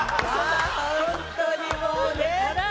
本当にもうね。